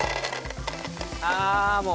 あもう！